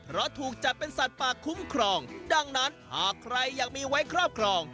เพราะถูกจัดเป็นสัตว์ป่าคุ้มครองดังนั้นหากใครอยากมีไว้ครอบครอง